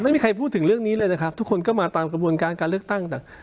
ไม่มีใครพูดถึงเรื่องนี้เลยนะครับทุกคนก็มาตามกระบวนการการเลือกตั้งแต่